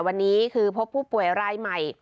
วันนี้คือพบผู้ป่วยรายใหม่